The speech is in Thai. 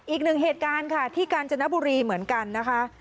อีกหนึ่งเหตุการณ์ค่ะที่กาญจนบุรีเหมือนกันนะคะ